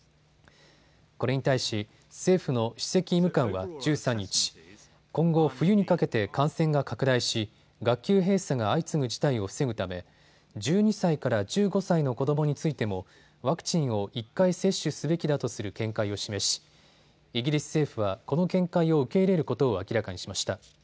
これに対し政府の首席医務官は１３日、今後、冬にかけて感染が拡大し学級閉鎖が相次ぐ事態を防ぐため１２歳から１５歳の子どもについてもワクチンを１回接種すべきだとする見解を示しイギリス政府はこの見解を受け入れることを明らかにしました。